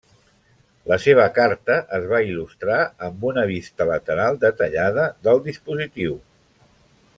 La seva carta es va il·lustrar amb una vista lateral detallada del dispositiu.